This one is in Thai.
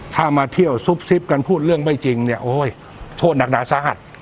ถ้ามาเที่ยวซุบซิบกันพูดเรื่องไม่จริงเนี่ยโอ้ยโทษหนักหนาสาหัส